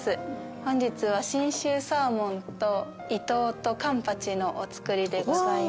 本日は信州サーモンとイトウとカンパチのお造りでございます。